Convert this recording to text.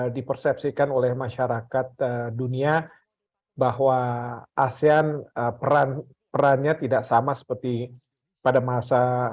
dipersepsikan oleh masyarakat dunia bahwa asean perannya tidak sama seperti pada masa